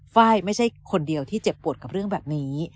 ไฟล์ไม่ใช่คนเดียวที่เจ็บปวดกับเรื่องแบบนี้